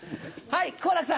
はい。